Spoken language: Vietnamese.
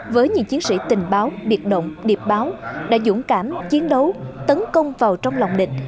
với những chiến sĩ tình báo biệt động điệp báo đã dũng cảm chiến đấu tấn công vào trong lòng địch